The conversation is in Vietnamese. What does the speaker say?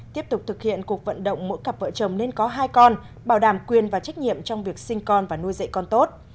tiếp tục thực hiện cuộc vận động mỗi cặp vợ chồng nên có hai con bảo đảm quyền và trách nhiệm trong việc sinh con và nuôi dạy con tốt